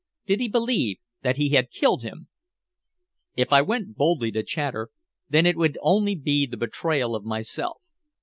Did he believe that he had killed him? If I went boldly to Chater, then it would only be the betrayal of myself.